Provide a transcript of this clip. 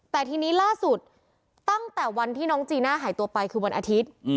แต่ทีนี้ล่าสุดตั้งแต่วันที่น้องจีน่าหายตัวไปคือวันอาทิตย์